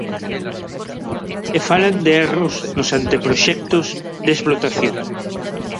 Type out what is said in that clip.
E falan de erros nos anteproxectos de explotación.